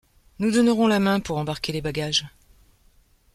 Nous donnerons la main pour embarquer les bagages. ..